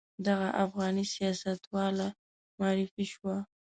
دغه افغاني سیاستواله معرفي شوه.